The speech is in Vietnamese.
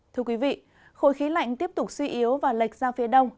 thưa quý vị khối khí lạnh tiếp tục suy yếu và lệch ra phía đông